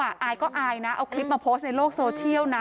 อายก็อายนะเอาคลิปมาโพสต์ในโลกโซเชียลนะ